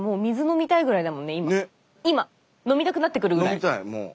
飲みたいもう。